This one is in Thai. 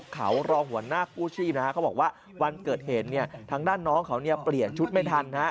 เขาบอกว่าวันเกิดเหตุทั้งด้านน้องเขาเปลี่ยนชุดไม่ทัน